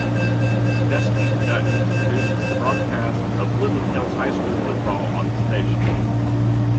Gusky Productions produces the broadcasts of Woodland Hills High School football on the station.